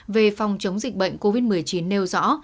về phòng chống dịch bệnh covid một mươi chín nêu rõ